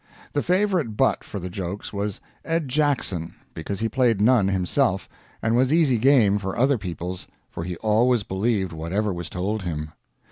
The favorite butt for the jokes was Ed Jackson, because he played none himself, and was easy game for other people's for he always believed whatever was told him.